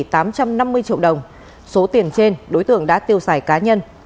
tám trăm năm mươi triệu đồng số tiền trên đối tượng đã tiêu xài cá nhân